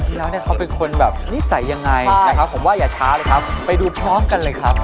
ที่แล้วเนี่ยเขาเป็นคนแบบนิสัยยังไงนะครับผมว่าอย่าช้าเลยครับไปดูพร้อมกันเลยครับ